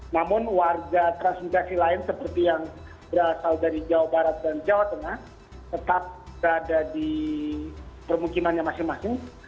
namun warga transmigrasi lain seperti yang berasal dari jawa barat dan jawa tengah tetap berada di permukimannya masing masing